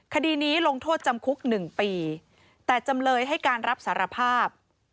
คดีนี้ลงโทษจำคุก๑ปีแต่จำเลยให้การรับสารภาพ